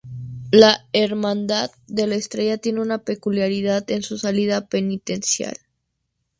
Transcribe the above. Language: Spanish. La Hermandad de la Estrella tiene una peculiaridad en su salida penitencial.